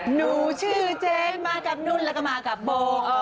หนูชื่อเจ๊มากับนุ่นแล้วก็มากับโบ